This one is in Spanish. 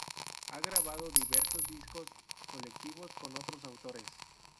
Han grabado diversos discos colectivos con otros autores.